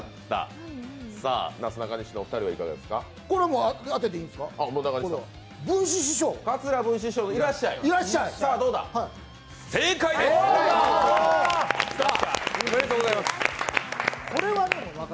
これは当ててもいいんですか？